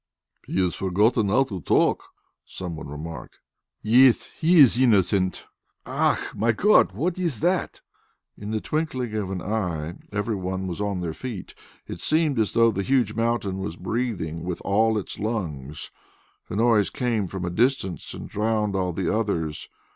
"He has forgotten how to talk," some one remarked. "Yes, he is an innocent. Ah, my God! What is that?" In the twinkling of an eye every one was on their feet. It seemed as though the huge mountain was breathing with all its lungs. The noise came from a distance and drowned all the others.